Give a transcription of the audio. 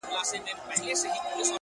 o پرون مي ستا په ياد كي شپه رڼه كړه،